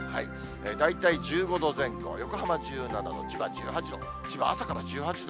大体１５度前後、横浜１７度、千葉１８度、千葉は朝から１８度。